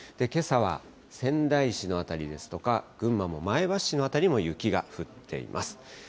けさは仙台市の辺りですとか、群馬も前橋市の辺りも、雪が降っています。